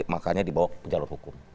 makanya dibawa ke jalur hukum